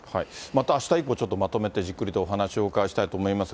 またあした以降、ちょっとまとめてじっくりとお話をお伺いしたいと思います。